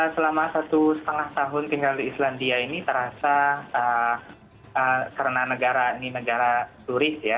selama satu setengah tahun tinggal di islandia ini terasa karena negara ini negara turis ya